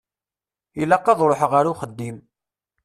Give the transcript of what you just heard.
Ilaq ad ṛuḥeɣ ar uxeddim.